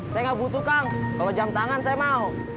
saya nggak butuh kang kalau jam tangan saya mau